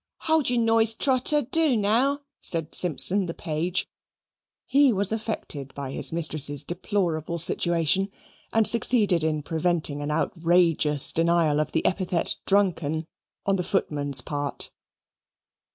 "Hold your noise, Trotter; do now," said Simpson the page. He was affected by his mistress's deplorable situation, and succeeded in preventing an outrageous denial of the epithet "drunken" on the footman's part.